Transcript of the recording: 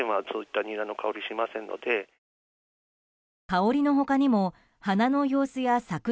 香りの他にも花の様子や咲く